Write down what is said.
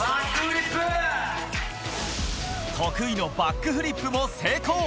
得意のバックフリップも成功。